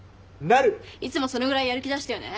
いつもそのぐらいやる気出してよね。